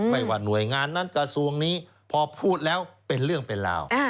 ว่าหน่วยงานนั้นกระทรวงนี้พอพูดแล้วเป็นเรื่องเป็นราว